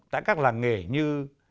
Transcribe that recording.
tại các làng nghề như